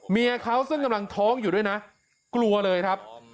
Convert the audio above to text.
เมียเขาซึ่งกำลังท้องอยู่ด้วยนะกลัวเลยครับ